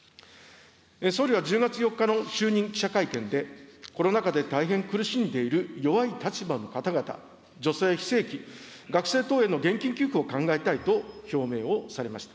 総理は１０月４日の就任記者会見で、コロナ禍で大変苦しんでいる弱い立場の方々、女性、非正規、学生等への現金給付を考えたいと表明をされました。